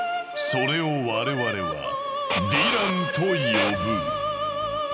それを我々は「ヴィラン」と呼ぶ。